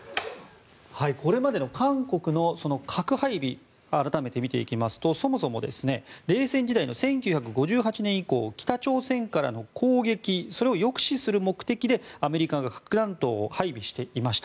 これまでの韓国の核配備改めて見ていきますとそもそも冷戦時代の１９５８年以降北朝鮮からの攻撃それを抑止する目的でアメリカが核弾頭を配備していました。